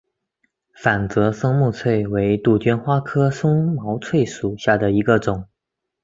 反折松毛翠为杜鹃花科松毛翠属下的一个种。